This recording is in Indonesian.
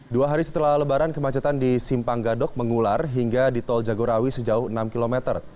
dua hari setelah lebaran kemacetan di simpang gadok mengular hingga di tol jagorawi sejauh enam km